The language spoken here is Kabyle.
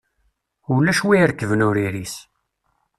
Ulac wi irekben ur iris.